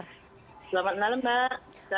selamat malam mbak